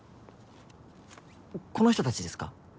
この人たちですか？